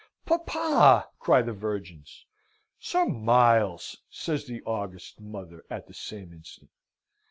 He, he!" "Papa!" cry the virgins. "Sir Miles!" says the august mother at the same instant.